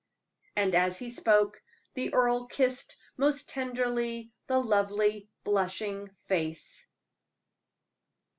And as he spoke, the earl kissed most tenderly the lovely, blushing face.